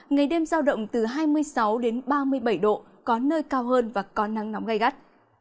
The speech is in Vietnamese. ngày đêm giao động từ hai mươi sáu đến ba mươi bảy độ có nơi cao hơn và có nắng nóng gai gắt